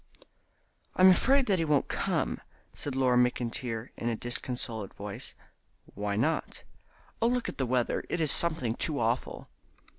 "I'm afraid that he won't come," said Laura McIntyre, in a disconsolate voice. "Why not?" "Oh, look at the weather; it is something too awful."